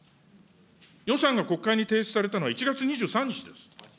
予算が国会に提出されたのは１月２３日です。